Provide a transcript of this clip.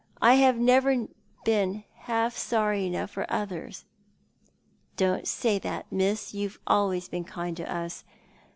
I have never been half sorry enough for others." " Don't say that, Miss. You've always been kind to us.